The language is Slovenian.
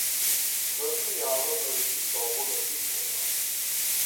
Svetel javor naredi sobo napihnjeno.